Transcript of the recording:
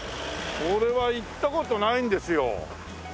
俺は行った事ないんですよ。